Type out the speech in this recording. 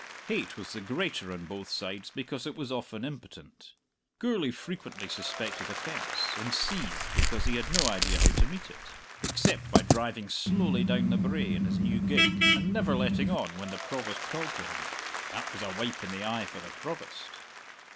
Hate was the greater on both sides because it was often impotent. Gourlay frequently suspected offence, and seethed because he had no idea how to meet it except by driving slowly down the brae in his new gig and never letting on when the Provost called to him. That was a wipe in the eye for the Provost!